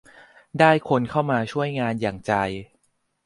ได้คนเข้ามาช่วยงานอย่างใจ